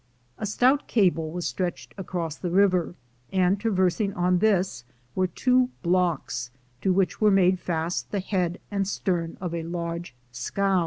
A stout cable was stretched across the river, and traversing on this were two blocks, to which were made fast the head and stern of a large scow.